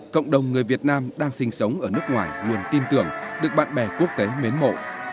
cộng đồng người việt nam đang sinh sống ở nước ngoài nguồn tin tưởng được bạn bè quốc tế mến mộ